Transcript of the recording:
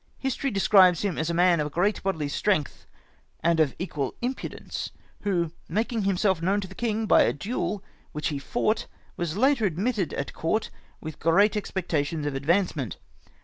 History describes Him as a Man of great Bodily Strength, and of equal Impudence ! who, making Himself known to the King by a Duel which He fought, was admitted at Court with great Expectations of Advancement.